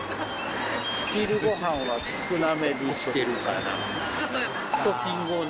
昼ごはんは少なめにしてるかな。